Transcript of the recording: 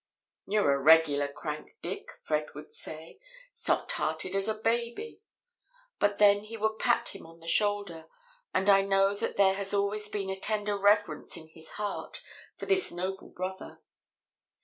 "You're a regular crank, Dick," Fred would say, "soft hearted as a baby;" but then he would pat him on the shoulder, and I know that there has always been a tender reverence in his heart for this noble brother.